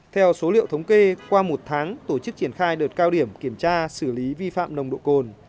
theo số liệu thống kê qua một tháng tổ chức triển khai đợt cao điểm kiểm tra xử lý vi phạm nồng độ cồn